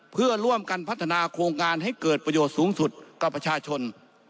เพื่อร่วมกันพัฒนาโครงการให้เกิดประโยชน์สูงสุดกับประชาชน